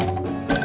ya deh asap sih